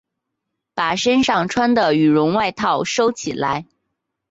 把身上穿的羽绒外套收起来